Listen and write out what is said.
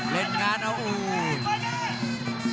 เล่นงานแล้วโอ้โห